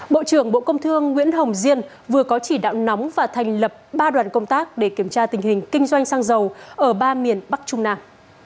bộ trưởng bộ công thương nguyễn hồng diên vừa có chỉ đạo nóng và thành lập ba đoàn công tác để kiểm tra tình hình kinh doanh xăng dầu ở ba miền bắc trung nam